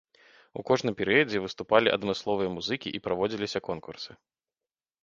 У кожным перыядзе выступалі адмысловыя музыкі і праводзіліся конкурсы.